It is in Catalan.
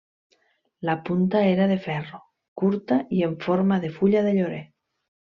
La punta era de ferro, curta i en forma de fulla de llorer.